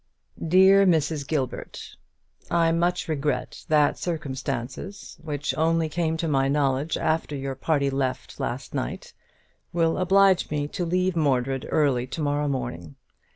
"Dear Mrs. Gilbert, I much regret that circumstances, which only came to my knowledge after your party left last night, will oblige me to leave Mordred early to morrow morning.